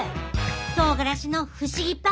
とうがらしの不思議パワー！